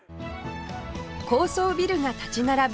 高層ビルが立ち並ぶ